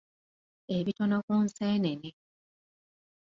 Ebitono ku nseenene.